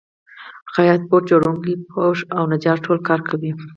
خیاط، بوټ جوړونکی، پښ او نجار ټول کار کوي